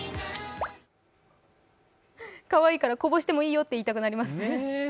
かわいいからこぼしてもいいよといいたくなりますね。